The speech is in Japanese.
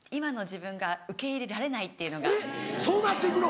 そうなって行くの？